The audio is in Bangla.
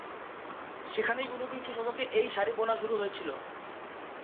সেখানেই উনবিংশ শতকে এই শাড়ি বোনা শুরু হয়েছিল।